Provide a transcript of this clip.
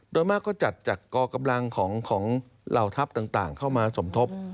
โดยมากก็จัดจากกองกำลังของเหล่าทัพต่างเข้ามาสมทบ